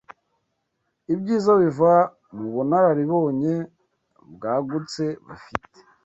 ibyiza biva mu bunararibonye bwagutse bafite,